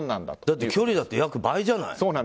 だって距離だって約２倍じゃない。